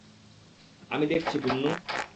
আমি দেখছি, পুন্নু।